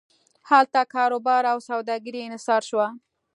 هلته کاروبار او سوداګري انحصار شوه.